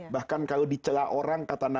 bahkan kalau dicela orang kata nabi muhammad